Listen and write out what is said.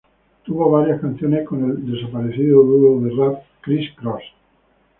Tuvo varias canciones con el desaparecido dúo de rap Kris Kross.